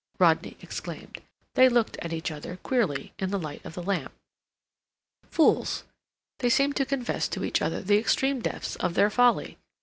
Rodney exclaimed. They looked at each other, queerly, in the light of the lamp. Fools! They seemed to confess to each other the extreme depths of their folly.